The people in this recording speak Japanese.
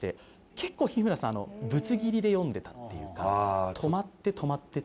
結構日村さん、ぶつ切りで読んでいたというか、止まって、止まって。